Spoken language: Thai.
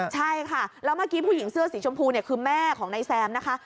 ใช่ค่ะแล้วเมื่อกี้ผู้หญิงเสื้อสีชมพูเนี่ยคือแม่ของนายแซมนะคะ